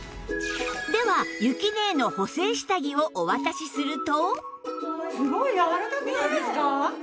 ではゆきねえの補整下着をお渡しすると